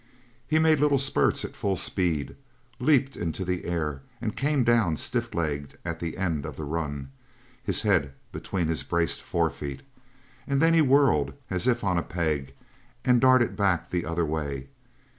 He made little spurts at full speed, leaped into the air, and came down stiff legged at the end of the run, his head between his braced forefeet, and then he whirled as if on a peg and darted back the other way.